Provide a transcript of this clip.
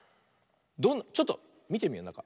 ちょっとみてみようなか。